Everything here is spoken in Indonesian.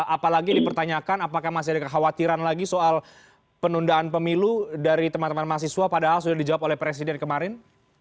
apalagi dipertanyakan apakah masih ada kekhawatiran lagi soal penundaan pemilu dari teman teman mahasiswa padahal sudah dijawab oleh presiden kemarin